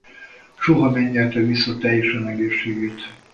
Soha nem nyerte vissza teljesen egészségét.